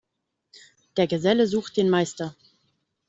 Der Geselle sucht den Meister.